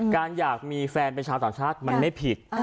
อยากมีแฟนเป็นชาวต่างชาติมันไม่ผิด